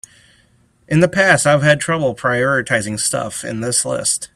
In the past I've had trouble prioritizing stuff in this list.